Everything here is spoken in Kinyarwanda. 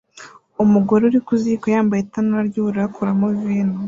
Umugore uri ku ziko yambaye itanura ry'ubururu akuramo vino